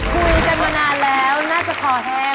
คุยกันมานานแล้วน่าจะคอแห้ง